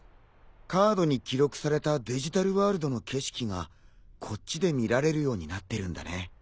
ＣＡＲＤに記録されたデジタルワールドの景色がこっちで見られるようになってるんだね。